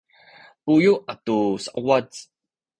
buyu’ atu sauwac